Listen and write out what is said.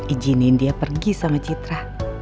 ijinin dia pergi sama citra